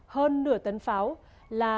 hơn nửa tấn pháo là